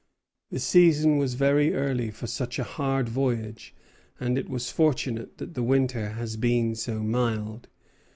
The season was very early for such a hard voyage, and it was fortunate that the winter has been so mild.